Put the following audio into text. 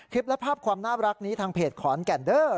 และภาพความน่ารักนี้ทางเพจขอนแก่นเดอร์